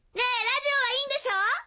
ラジオはいいんでしょう？